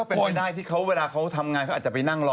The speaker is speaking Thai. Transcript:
เป็นไปได้ที่เวลาเขาทำงานเขาอาจจะไปนั่งรอ